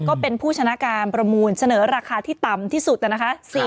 ก็เป็นผู้ชนะการประมูลเสนอราคาที่ต่ำที่สุดนะคะ